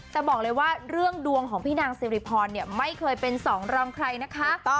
แต่บอกเลยว่าเรื่องดวงของพี่นางสิริพรไม่เคยเป็นสองรองใครนะคะ